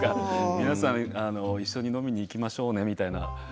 皆さん一緒に飲みに行きましょうね、みたいな。